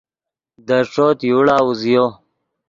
دے ݯوت یوڑا اوزیو